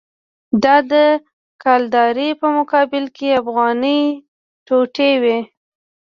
دا د کلدارې په مقابل کې افغانۍ ټیټوي.